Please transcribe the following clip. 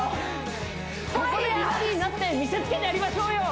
ここで１位になって見せつけてやりましょうよ